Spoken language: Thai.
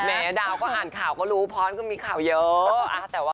ดาวก็อ่านข่าวก็รู้พรก็มีข่าวเยอะ